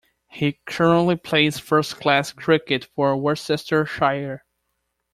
He currently plays first class cricket for Worcestershire.